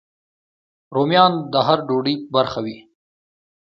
رومیان د هر ډوډۍ برخه وي